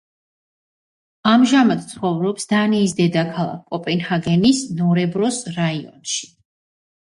ამჟამად ცხოვრობს დანიის დედაქალაქ კოპენჰაგენის ნორებროს რაიონში.